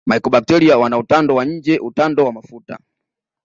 Mycobacteria wana utando wa nje utando wa mafuta